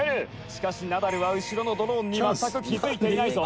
「しかし、ナダルは後ろのドローンに全く気付いていないぞ。